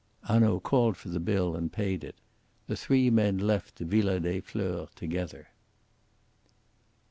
Hanaud called for the bill and paid it. The three men left the Villa des Fleurs together.